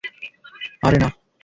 আরে, নাহ!